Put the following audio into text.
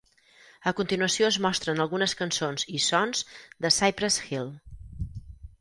A continuació es mostren algunes cançons i sons de "Cypress Hill".